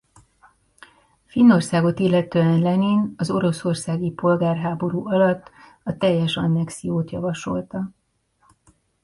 Finnországot illetően Lenin az oroszországi polgárháború alatt a teljes annexiót javasolta.